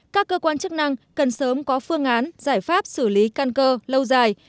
các cơ quan chức năng cần sớm có phương án giải pháp xử lý căn cơ lâu dài